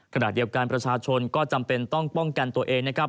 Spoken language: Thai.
ขณะเดียวกันประชาชนก็จำเป็นต้องป้องกันตัวเองนะครับ